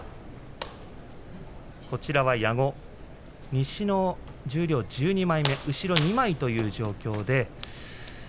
矢後は西の十両１２枚目後ろ２枚という状況です。